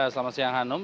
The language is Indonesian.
selamat siang hanum